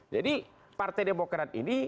jadi partai demokrat ini